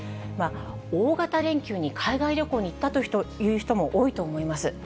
大型連休に海外旅行に行ったという人も多いと思います。